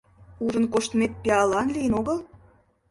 — Ужын коштмет пиалан лийын огыл?